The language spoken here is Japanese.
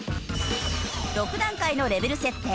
６段階のレベル設定。